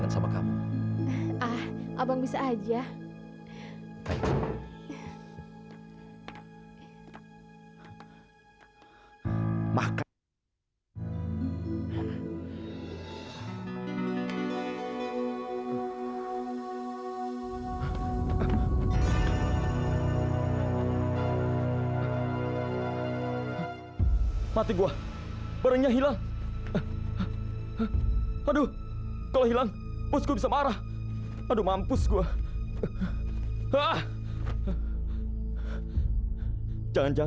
sampai jumpa di video selanjutnya